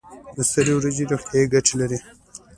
د سرې وریجې روغتیایی ګټې لري.